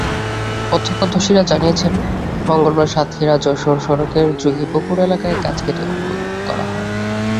প্রত্যক্ষদর্শীরা জানিয়েছেন, মঙ্গলবার সাতক্ষীরা-যশোর সড়কের যুগীপুকুর এলাকায় গাছ কেটে অবরোধ করা হয়।